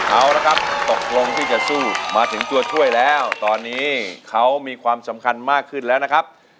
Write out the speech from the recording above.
เอาละครับตกลงที่จะสู้มาถึงตัวช่วยแล้วตอนนี้เขามีความสำคัญมากขึ้นแล้วนะครับ